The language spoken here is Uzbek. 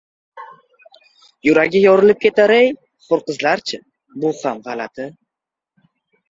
Yuragi yorilib ketar-ey… Hur qizlar-chi?.. Bu ham gʼalati…»